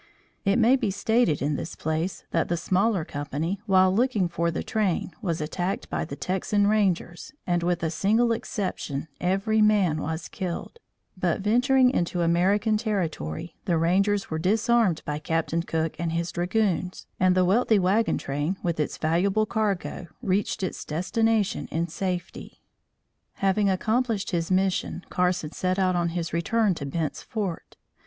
It may be stated in this place that the smaller company, while looking for the train was attacked by the Texan rangers and with a single exception every man was killed; but venturing into American territory, the rangers were disarmed by Captain Cook and his dragoons, and the wealthy wagon train, with its valuable cargo reached its destination in safety. Having accomplished his mission, Carson set out on his return to Bent's Fort.